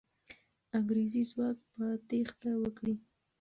انګریزي ځواک به تېښته وکړي.